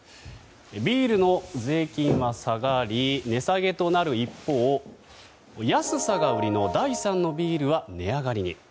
ビールの税金は下がり値下げとなる一方安さが売りの第三のビールは値上がりに。